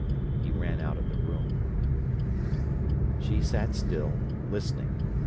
He ran out of the room. She sat still, listening.